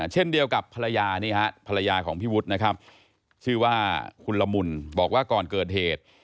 เช่นเดียวกับภรรยานี่ฮะภรรยาของพี่วุฒินะครับชื่อว่าคุณละมุนบอกว่าก่อนเกิดเหตุ